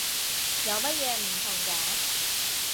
有乜嘢唔同嘅？